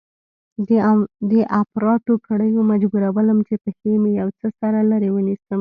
د اپراتو کړيو مجبورولم چې پښې مې يو څه سره لرې ونيسم.